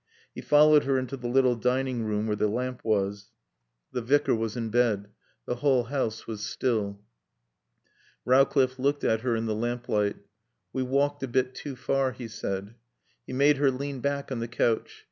He followed her into the little dining room where the lamp was. The Vicar was in bed. The whole house was still. Rowcliffe looked at her in the lamplight. "We've walked a bit too far," he said. He made her lean back on the couch.